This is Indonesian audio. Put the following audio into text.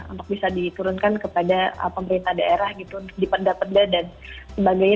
untuk bisa diturunkan kepada pemerintah daerah gitu dipenda peda dan sebagainya